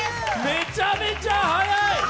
めちゃめちゃ速い！